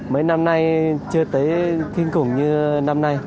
mấy năm nay chưa tới kinh khủng như năm nay